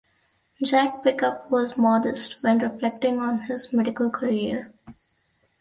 Jack Pickup was modest when reflecting on his medical career.